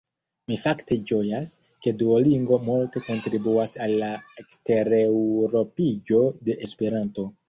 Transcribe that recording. Mi fakte ĝojas, ke Duolingo multe kontribuas al la ekstereŭropiĝo de Esperanto.